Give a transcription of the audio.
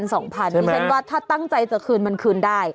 ใช่ไหมใช่ไหมคือถึงว่าถ้าตั้งใจจะคืนมันคืนได้